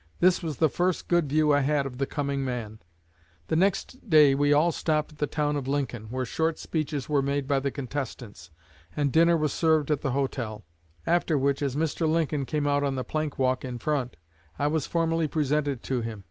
This was the first good view I had of the 'coming man.' The next day we all stopped at the town of Lincoln, where short speeches were made by the contestants, and dinner was served at the hotel; after which, as Mr. Lincoln came out on the plank walk in front, I was formally presented to him.